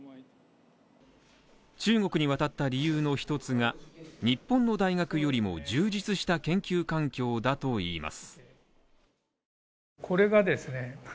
中国に渡った理由の一つが、日本の大学よりも充実した研究環境だといいます。